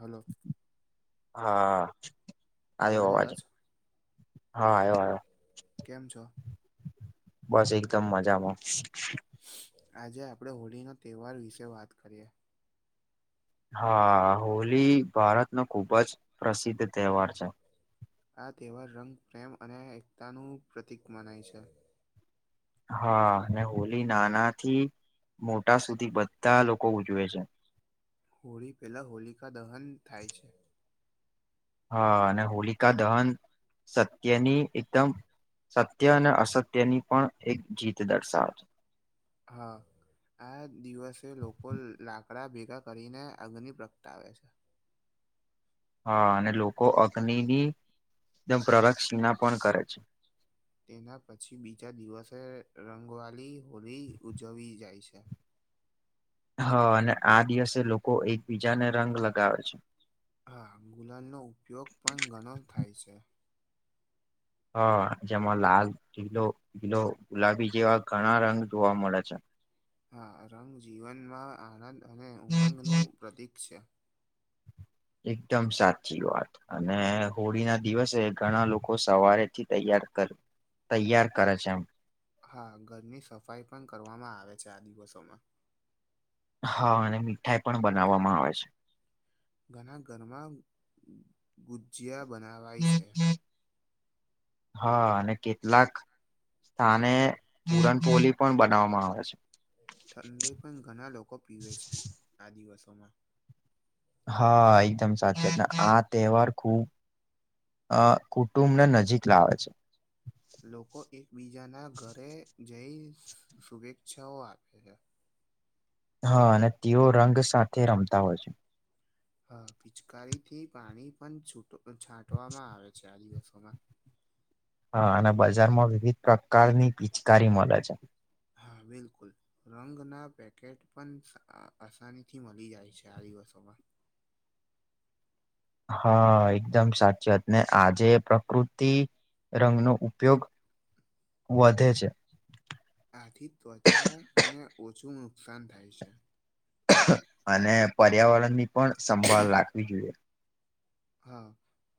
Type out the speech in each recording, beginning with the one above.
Hello હા, આયો આવે અવાજ છે હા, આયો-આયો કેમ છો? બસ એકદમ મજામાં આજે આપડે હોળી નો તહેવાર વિશે વાત કરીએ. હા, હોલી ભારતનો ખુબ જ પ્રસિદ્ધ તહેવાર છે. આ તહેવાર રંગ, પ્રેમ અને એકતાનું પ્રતિક મનાય છે. હા, હોલી નાના થી મોટા સુધી બધા લોકો ઉજવે છે. હોળી પહેલાં હોલિકા દહન થાય છે. હા.. અને હોલિકા દહન સત્યની એકદમ સત્ય અને અસત્યની પણ એક જીત દર્શાવે છે. હા. આ દિવસે લોકો લાકડા ભેગા કરીને અગ્નિ પ્રગટાવે છે. હા અને લોકો અગ્નિની ની, પ્રદક્ષિણા પણ કરે છે. તેના પછી બીજા દિવસે રંગવાલી હોલી ઉજવી જાય છે. હા અને આ દિવસે લોકો એકબીજાને રંગ લગાવે છે. હા, ગુલાલ નો ઉપયોગ પણ ઘણો થાય સે. હ, જેમાં લાલ, લીલો, પિલો, ગુલાબી જેવા ઘણા રંગ જોવા મળે છે. હા, રંગ જીવનમાં આનંદ અને ઉમંગનું પ્રતીક છે. એકદમ સાચી વાત. અને હોળી ના દિવસે ઘણા લોકો સવારે થી તૈયાર કરે તૈયાર કરે છે આમ હા, ઘરની સફાઈ પણ કરવામાં આવે છે આ દિવસોમાં હા અને મીઠાઈ પણ બનાવવામાં આવે છે. ઘણા ઘરમાં ગુજિયા બનાવાય છે. હા અને કેટલાક સ્થાને પુરણપોલી પણ બનાવવામાં આવે છે. ઠંડાઇ પણ ઘણા લોકો પીવે છે આ દિવસોમાં હા, એકદમ સાચત, આ તહેવાર ખુબ અ, કુટુંબને નજીક લાવે છે. લોકો એકબીજાના ઘરે જઈ શુભેચ્છાઓ આપે છે. હા અને તેઓ રંગ સાથે રમતા હોય છે. હા, પિચકારી થી પાણી પણ છૂટો, છાંટવામાં આવે છે, આ દિવસોમાં હા અને બજાર માં વિવિધ પ્રકારની પિચકારી મલે છે. હા, બિલકુલ રંગના પેકેટ પણ આસાની થી મળી જાય છે આ દિવસોમાં હા, એકદમ સાચી વાત ને આજે પ્રકૃતિ રંગનો ઉપયોગ, વધે છે. આથી ત્વચાને ઓછું નુકસાન થાય છે. અને પર્યાવરણ ની પણ સંભાળ રાખવી જોઈએ. હા,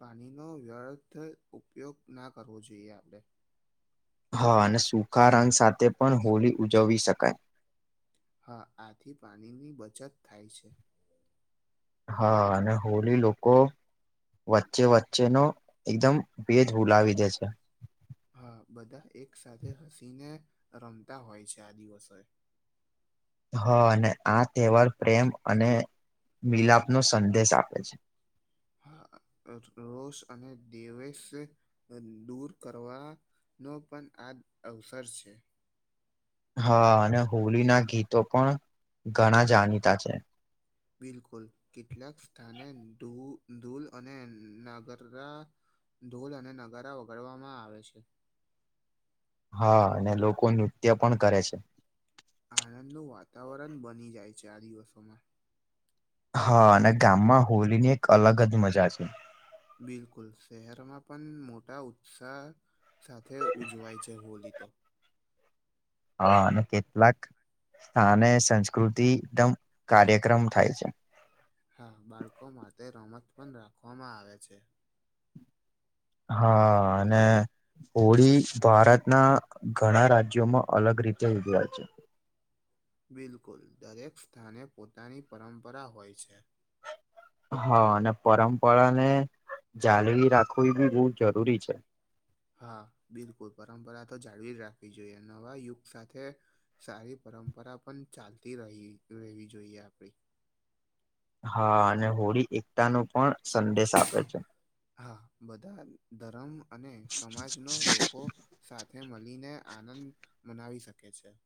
પાણીનો વ્યર્થ ઉપયોગ ના કરવો જોઈએ આપણે. હા અને સુખા રંગ સાથે પણ હોળી ઉજવી શકાય. હા આથી પાણીની બચત થાય છે. હા અને હોલી લોકો વચ્ચે-વચ્ચેનો એકદમ ભેદ હૂલાવી દે છે. હા, બધા એક સાથે હસી ને રમતા હોય છે આ દિવસો એ. હા અને આ તહેવાર પ્રેમ અને મિલાપ નો સંદેશ આપે છે. રોષ અને દવેસ દૂર કરવા નો પણ આ અવસર છે. હા અને હોલી ના ગીતો પણ ઘણા જાણીતા છે. બિલકુલ કેટલાક સ્થાને ધૂ ધૂલ અને નાગર ધૂલ અને નગારા વગાડવામાં આવે છે. હા અને લોકો નૃત્ય પણ કરે છે. આનંદનું વાતાવરણ બની જાય ચાર દિવસોમાં. હા અને ગામમાં હોલી ની એક અલગ જ મજા છે. બિલકુલ શહેરમાં પણ મોટા ઉત્સાહ સાથે ઉજવાય છે હોલી તો. હા અને કેટલાક સ્થાને સંસ્કૃતિ એકદમ કાર્યક્રમ થાય છે. હા બાળકો માટે રમત પણ રાખવામાં આવે છે. હા અને હોળી ભારતના ઘણા રાજ્યોમાં અલગ રીતે ઉજવાય છે. બિલકુલ દરેક સ્થાને પોતાની પરંપરા હોય છે. હા અને પરંપરા ને જાળવી રાખવી એ બી બહુ જરૂરી છે. હા બિલકુલ પરંપરા તો જાળવી જ રાખવી જોઈએ નવા યુગ સાથે સારી પરંપરા પણ ચાલતી રહી રહેવી જોઈએ આપડી. હા અને હોળી એકતા નો પણ સંદેશ આપે છે. હા બધા ધર્મ અને સમાજનો લોકો સાથે મળીને આનંદ મનાવી શકે છે.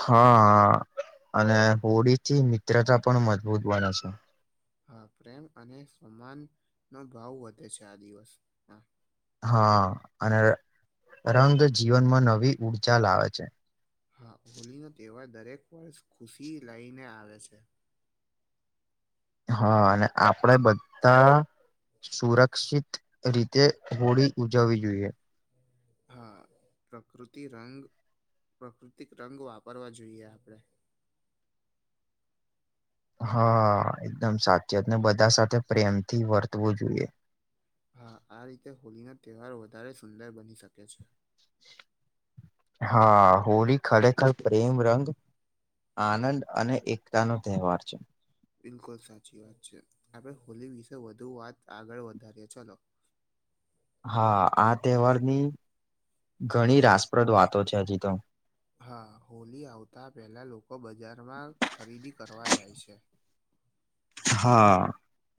હા હા અને હોળી થી મિત્રતા પણ મજબૂત બને છે. હા પ્રેમ અને સમાન નો ભાવ વધે છે આ દિવસ. હા હા અને રંગ જીવનમાં નવી ઉઊર્જા લાવે છે. હા હોલી નો તહેવાર દરેક વર્ષ ખુશી લઈને આવે છે. હા અને આપડે બધા સુરક્ષિત રીતે હોળી ઉજવવી જોઈએ. હા પ્રકૃતિ રંગ પ્રાકૃતિક રંગ વાપરવા જોઈએ આપણેે. હા એકદમ સાચીત ને બધા સાથે પ્રેમ થી વર્તવું જોઈએ. હા આ રીતે હોળીનો તહેવાર વધારે સુંદર બની શકે છે. હા હોળી ખડે ખડ પ્રેમ રંગ આનંદ અને એકતા નો તહેવાર છે. બિલકુલ સાચી વાત છે આપડે હોલી વિશે વધુ વાત આગળ વધારીએ ચલો. હા આ તહેવારની ઘણી રાસપ્રદ વાતો છે હજી તો. હા હોલી આવતા પહેલા લોકો બજારમાં ખરીદી કરવા જાય છે. હા,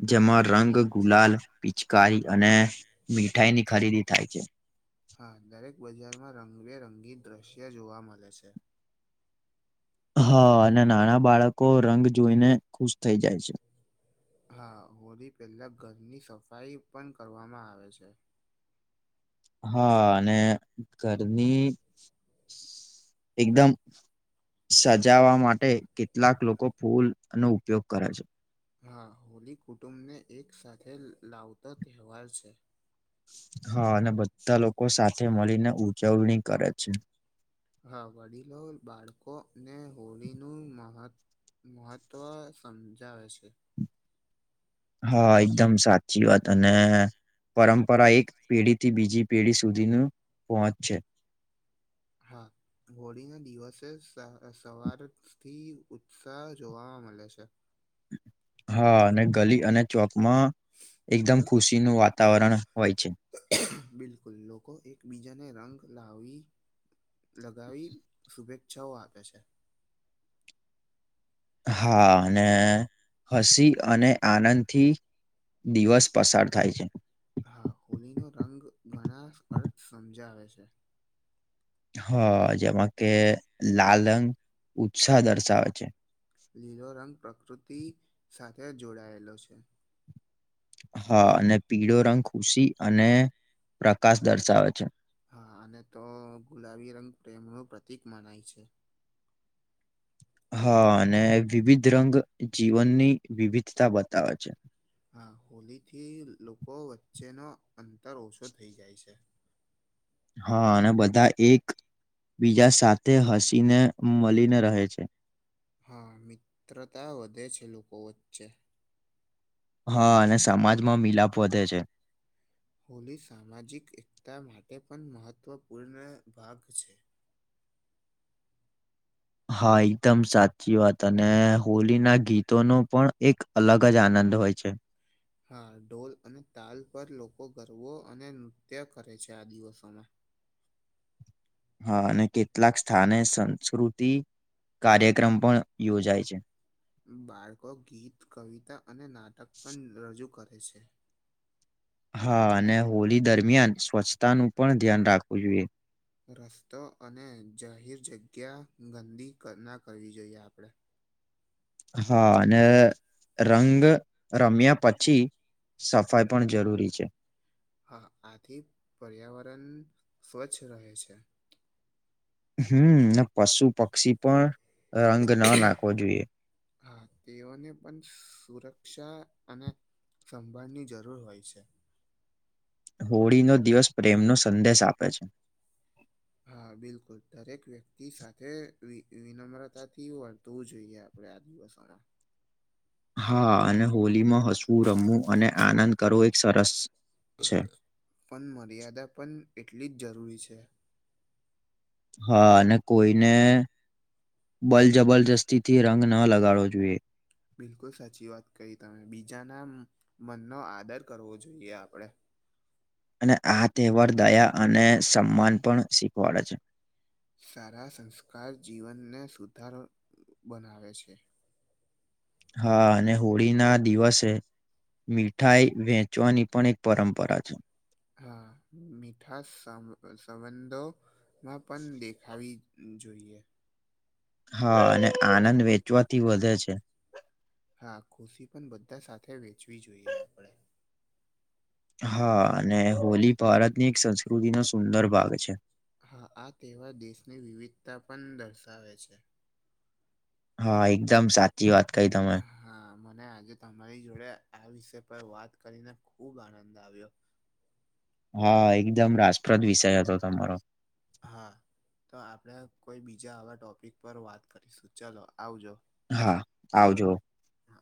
જેમાં રંગ ગુલાલ પિચકારી અને મીઠાઈ ની ખરીદી થાય છે. હા દરેક બજારમાં રંગબેરંગી દ્રશ્ય જોવા મળે છે. હા અને નાના બાળકો રંગ જોઈને ખુશ થઈ જાય છે. હા હોળી પહેલા ઘરની સફાઈ પણ કરવામાં આવે છે. હા અને ઘરની એકદમ સજાવા માટે કેટલાક લોકો ફૂલ નો ઉપયોગ કરે છે. હા હોલી કુટુંબને એક સાથે લાવતો તહેવાર છે. હા અને બધા લોકો સાથે મળીને ઉજવણી કરે છે. હા વડીલો, બાળકોને અને હોળીનું મહત્વ મહત્વ સમજાવે છે. હા એકદમ સાચી વાત અને પરંપરા એક પેઢી થી બીજી પેઢી સુધીનું પહોંચ છે. હા. હોળી ના દિવસે સ સવાર થી ઉત્સાહ જોવાવા મળે છે. હા અને ગલી અને ચોક માં એકદમ ખુશીનું વાતાવરણ હોય છે. બિલકુલ લોકો એકબીજાને રંગ લાવી લગાવી શુભેચ્છાઓ આપે છે. હા અને હસી અને આનંદથી દિવસ પસાર થાય છે. હા હોલીનો રંગ ઘણા અર્થ સમજાવે છે. હ જેમાં કે લાલં રંગ ઉત્સાહ દર્શાવે છે. લીલો રંગ પ્રકૃતિ સાથે જોડાયેલો છે. હા અને પીળો રંગ ખુશી અને પ્રકાશ દર્શાવે છે. હા અને તો ગુલાબી રંગ પ્રેમનું પ્રતિક મનાય છે. હા અને વિવિધ રંગ જીવનની વિવિધતા બતાવે છે. હા હોલી થી લોકો વચ્ચેનો અંતર ઓછો થઈ જાય છે. હા અને બધા એક બીજા સાથે હસી ને મળીને રહે છે. હા મિત્રતા વધે છે લોકો વચ્ચે. હા અને સમાજમાં મિલાપ વધે છે. હોલી સામાજિક એકતા માટે પણ મહત્વપૂર્ણ ભાગ છે. હા એકદમ સાચી વાત અને હોલી ના ગીતોનો પણ એક અલગ જ આનંદ હોય છે. હા ઢોલ અને તાલ પર લોકો ગરબો અને નૃત્ય કરે છે આ દિવસોમાં. હા અને કેટલાક સ્થાને સંસ્કૃતિ કાર્યક્રમ પણ યોજાય છે. બાળકો ગીત કવિતા અને નાટક પણ રજૂ કરે છે. હા અને હોળી દરમિયાન સ્વચ્છતાનું પણ ધ્યાન રાખવું જોઈએ. રસ્તો અને જાહેર જગ્યા ગંદી કર ના કરવી જોઈએ આપડે. હા અને રંગ રમ્યા પછી સફાઈ પણ જરૂરી છે. હા આથી પર્યાવરણ સ્વચ્છ રહે છે. હમ્મ પશુ-પક્ષી પણ રંગ ના નાખવો જોઈએ. હા તેઓને પણ સુરક્ષા અને સંભાળની જરૂર હોય છે. હોળીનો દિવસ પ્રેમનો સંદેશ આપે છે. હા બિલકુલ દરેક વ્યક્તિ સાથે વિ વિનમ્રતાથી વર્તવું જોઈએ આપ હવે આ દિવસ હારા. હા અને હોલીમાં હસવું રમવું અને આનંદ કરવો એક સરસ છે. પણ મર્યાદા પણ એટલી જ જરૂરી છે. હા, અને કોઈને બલ જબરજસ્તી થી રંગ ના લગાડવો જોઈએ. બિલકુલ, સાચી વાત કહી તમે, બીજાના મનનો આદર કરવો જોઈએ આપણે. અને આ તહેવાર દયા અને સન્માન પણ શીખવાડે છે. સારા સંસ્કાર જીવનને સુધાર બનાવે છે. હા, અને હોળી ના દિવસે મીઠાઈ વેચવાની પણ પરંપરા છે. હા, મીઠા સા સંબંધો માં પણ દેખાવી જોઈએ. હા અને આનંદ વેચવાથી વધે છે. હા, ખુશી પણ બધા સાથે વેચવી જોઈએ આપણેે. હા, અને હોલી ભારતની એક સંસ્કૃતિ નો સુંદર ભાગ છે. હા, આ તહેવાર દેશની વિવિધતા પણ દર્શાવે છે. હા, એકદમ સાચી વાત કઈ તમે. હા, મને આજે તમારી જોડે આ વિષય પર વાત કરીને ખુબ આનંદ આવ્યો. હા, એકદમ રસપ્રદ વિષય હતો તમારો. હા, તો આપણે કોઈ બીજા આવા ટોપિક પર વાત કરીશું ચાલો આવજો. હા, આવજો. હા.